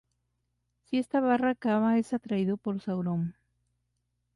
Si esta barra acaba, es atraído por Sauron.